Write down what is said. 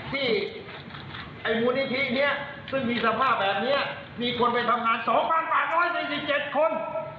ที่ไอ้มูลนิธินี้ซึ่งมีสมบัติแบบนี้มีคนไปทำหารสองพันปากน้อยในสิบเจ็ดคน